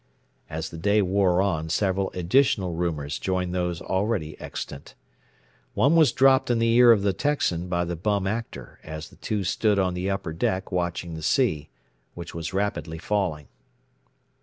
As the day wore on several additional rumors joined those already extant. One was dropped in the ear of the Texan by the Bum Actor as the two stood on the upper deck watching the sea, which was rapidly falling.